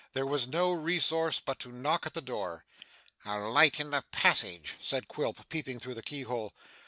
There was no resource but to knock at the door. 'A light in the passage,' said Quilp, peeping through the keyhole.